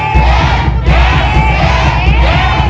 เจมส์